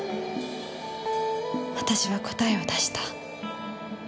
私は答えを出した。